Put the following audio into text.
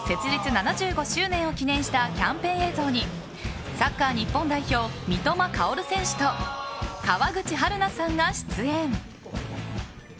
７５周年を記念したキャンペーン映像にサッカー日本代表、三笘薫選手と川口春奈さんが出演。